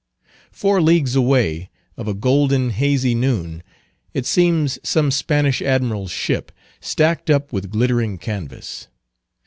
Four leagues away, of a golden, hazy noon, it seems some Spanish Admiral's ship, stacked up with glittering canvas.